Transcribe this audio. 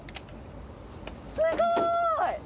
すごい！